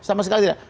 sama sekali tidak